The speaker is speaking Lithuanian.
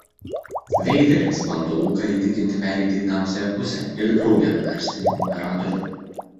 Veideris bando Luką įtikinti pereiti į Tamsiąją pusę ir drauge nuversti Imperatorių.